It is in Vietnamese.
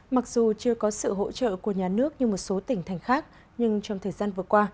mặc dù chưa có sự hỗ trợ của nhà nước như một số tỉnh thành khác nhưng trong thời gian vừa qua